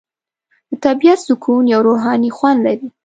د طبیعت سکون یو روحاني خوند لري.